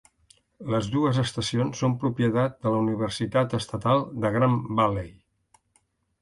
Les dues estacions són propietat de la Universitat Estatal de Grand Valley.